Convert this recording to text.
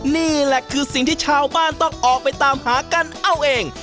นี่แหละคือสิ่งที่ชาวบ้านต้องออกไปตามหากันเอาเอง